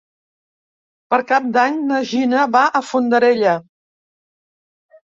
Per Cap d'Any na Gina va a Fondarella.